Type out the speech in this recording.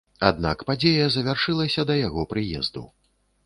Аднак падзея завяршылася да яго прыезду.